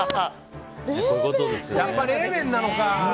やっぱり冷麺なのか！